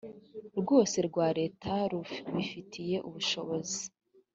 rwose rwa leta rubifitiye ubushobozi